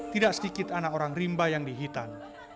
tidak sedikit anak orang rimba yang dihitan